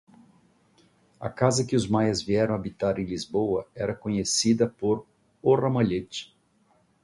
A casa que os Maias vieram habitar em Lisboa era conhecida por "o Ramalhete".